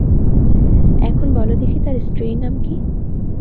এখন বল দেখি তাঁর স্ত্রীর নাম কি?